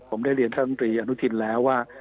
ผมได้เรียนท่านตรีอนุทินแล้วว่า